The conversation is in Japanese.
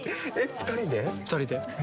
２人で。